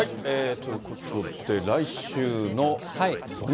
ということで、来週の土日。